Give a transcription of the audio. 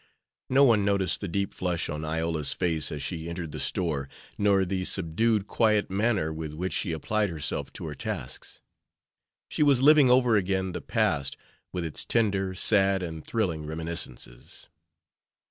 No one noticed the deep flush on Iola's face as she entered the store, nor the subdued, quiet manner with which she applied herself to her tasks. She was living over again the past, with its tender, sad, and thrilling reminiscences.